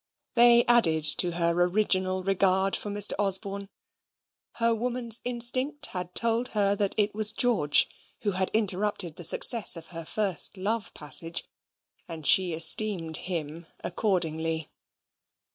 They added to her original regard for Mr. Osborne. Her woman's instinct had told her that it was George who had interrupted the success of her first love passage, and she esteemed him accordingly.